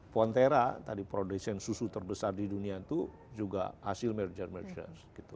pontera tadi produsen susu terbesar di dunia itu juga hasil merger merger